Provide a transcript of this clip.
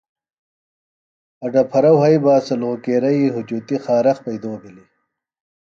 اڈپھرہ وھئ بہ سے لھوکیرئی ہجُتیۡ خارخ پیئدو بھِلیۡ ہِنیۡ